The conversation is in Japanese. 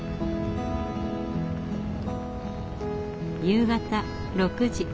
夕方６時。